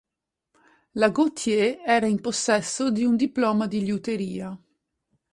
La Gautier era in possesso di un di diploma di liuteria.